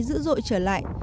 giữ rội trở lại